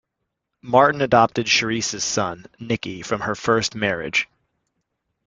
Martin adopted Charisse's son, Nicky, from her first marriage.